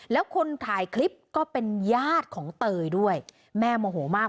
แล้วคนถ่ายคลิปก็เป็นญาติของเตยด้วยแม่โมโหมาก